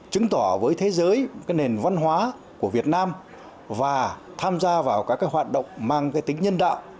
chứng tỏ với thế giới cái nền văn hóa của việt nam và tham gia vào các hoạt động mang cái tính nhân đạo